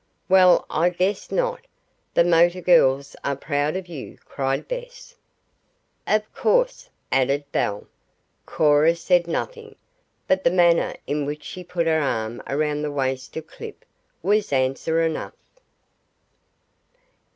"Well, I guess not! The motor girls are proud of you!" cried Bess. "Of course," added Belle. Cora said nothing, but the manner in which she put her arm around the waist of Clip was answer enough.